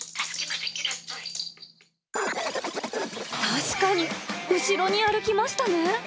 確かに、後ろに歩きましたね。